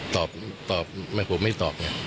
ตอบตอบผมไม่ตอบ